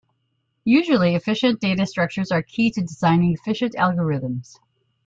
Usually, efficient data structures are key to designing efficient algorithms.